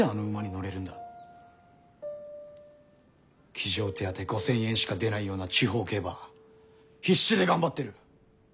騎乗手当５，０００円しか出ないような地方競馬必死で頑張ってる。